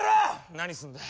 何すんだよ？